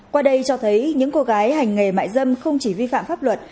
qua đây cho thấy những cô gái hành nghề mại dâm không chỉ vi phạm pháp luật